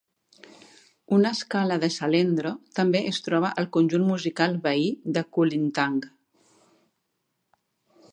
Una escala de "salendro" també es troba al conjunt musical veí de Kulintang.